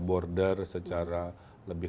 border secara lebih